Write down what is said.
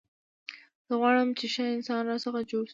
زه غواړم، چي ښه انسان راڅخه جوړ سي.